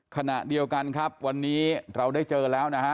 ขณะเดียวกันครับวันนี้เราได้เจอแล้วนะฮะ